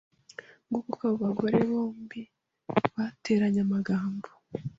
Nguko uko abo bagore bombi bateranye amagambo.